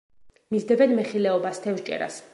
მისდევენ მეხილეობას, თევზჭერას.